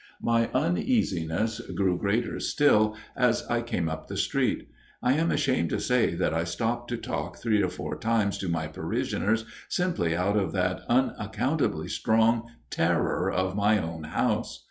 " My uneasiness grew greater still as I came up the street. I am ashamed to say that I stopped to talk three or four times to my parishioners simply out of that unaccountably strong terror of my own house.